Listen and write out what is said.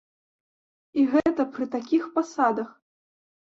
І гэта пры такіх пасадах!